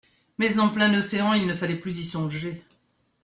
Mais en plein Océan, il ne fallait plus y songer.